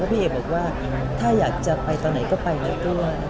พี่เอกบอกว่าถ้าอยากจะไปตอนไหนก็ไปนะครับ